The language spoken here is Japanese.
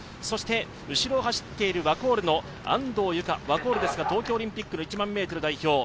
そして、後ろを走っているワコールの安藤友香東京オリンピックの１００００ｍ代表。